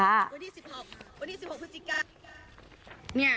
วันนี้๑๖วันนี้๑๖พฤศจิกายน